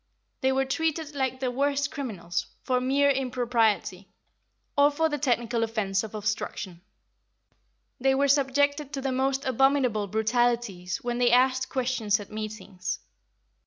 They were treated like the worst criminals, for mere impropriety, or for the technical offence of obstruction. They were subjected to the most abominable brutalities when they asked questions at meetings.